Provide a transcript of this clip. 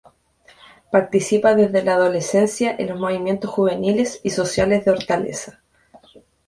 Participa desde la adolescencia en los movimientos juveniles y sociales de Hortaleza.